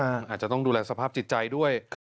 อาจจะต้องดูแลสภาพจิตใจด้วย